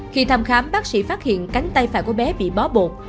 khi thăm khám bác sĩ phát hiện cánh tay phải của bé bị bó bột